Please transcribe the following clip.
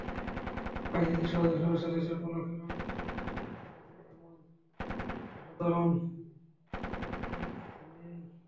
আইসিসির সহযোগী সদস্য দেশের কোনো খেলোয়াড়েরই টি-টোয়েন্টি ক্রিকেটে এমন অসাধারণ ইনিংস নেই।